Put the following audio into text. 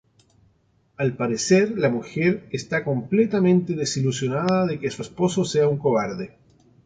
Al parecer la mujer esta completamente desilusionada de que su esposo sea un cobarde.